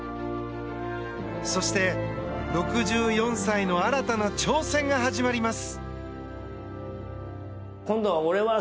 そして、６４歳の新たな挑戦が始まります。